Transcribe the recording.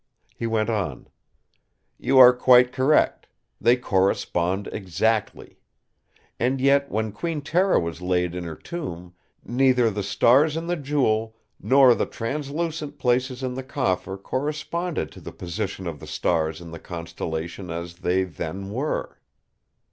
He went on: "You are quite correct. They correspond exactly. And yet when Queen Tera was laid in her tomb, neither the stars in the Jewel nor the translucent places in the Coffer corresponded to the position of the stars in the Constellation as they then were!"